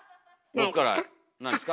僕から何ですか？